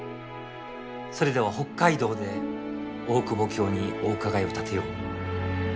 それでは「北加伊道」で大久保にお伺いを立てよう。